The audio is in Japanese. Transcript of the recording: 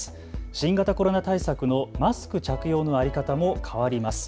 新型コロナ対策のマスク着用の在り方も変わります。